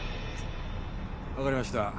分かりました。